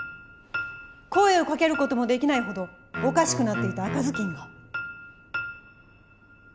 声をかける事もできないほどおかしくなっていた赤ずきんが？